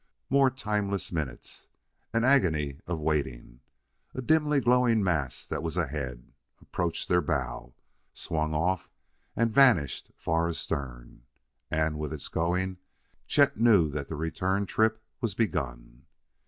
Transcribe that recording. More timeless minutes, an agony of waiting and a dimly glowing mass that was ahead approached their bow, swung off and vanished far astern. And, with its going, Chet knew that the return trip was begun.